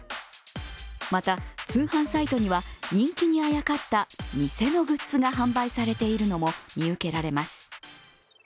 また、通販サイトには人気にあやかった偽のグッズが販売されているのも見受けられます。